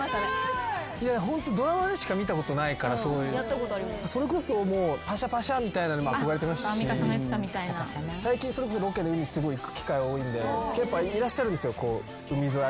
いやホントドラマでしか見たことないからそれこそもうパシャパシャみたいなのも憧れてましたし最近それこそロケで海すごい行く機会多いんでやっぱいらっしゃるんですよ。